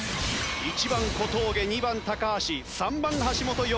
１番小峠２番橋３番橋本４